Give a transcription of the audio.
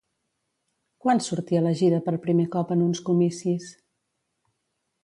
Quan sortí elegida per primer cop en uns comicis?